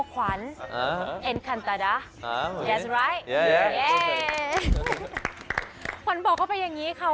ขวัญบอกเข้าไปอย่างนี้ค่ะ